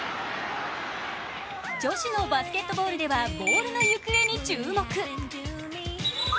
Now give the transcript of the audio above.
女子のバスケットボールではボールの行方に注目。